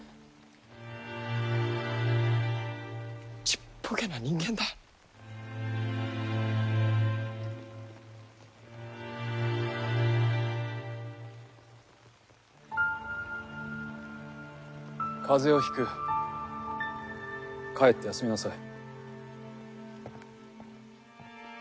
ちっぽけな人間だ風邪をひく帰って休みなさい